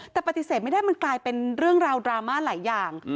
แต่ปฏิเสธไม่ได้มันกลายเป็นเรื่องราวดราม่าหลายอย่าง